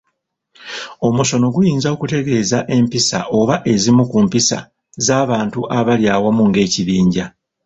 Omusono guyinza okutegeeza empisa oba ezimu ku mpisa z’abantu abali awamu ng’ekibinja.